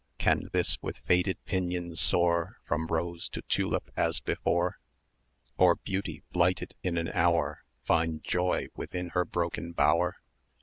Can this with faded pinion soar From rose to tulip as before? Or Beauty, blighted in an hour, Find joy within her broken bower?